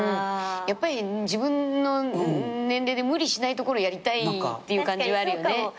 やっぱり自分の年齢で無理しないところやりたいっていう感じはあるよね。